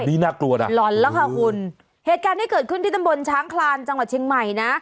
นี่น่ากลัวนะหล่อนแล้วค่ะคุณเหตุการณ์ที่เกิดขึ้นที่ตำบลช้างคลานจังหวัดเชียงใหม่นะ